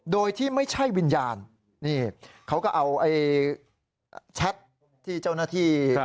โดยที่ไม่ใช่วิญญาณนี่เขาก็เอาแชทที่เจ้าหน้าที่